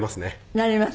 なれます？